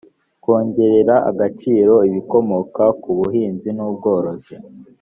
kongerera agaciro ibikomoka ku buhinzi n ubworozi